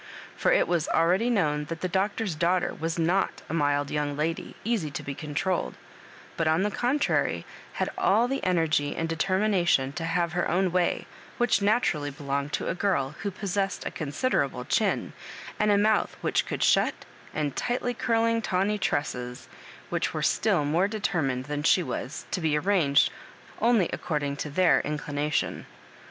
For it was already known that the Doctor's daughter was not a mild young lady, easy to be controlled; but, on the contrary, had all the energy and determination to have her own way, whKsh na turally belonged to a girl who possessed a con siderable chin and a nu>uth which could shut, and tigbUy curling tawny tresses, which were still more determined than she was to be ar ranged only according to their mdination.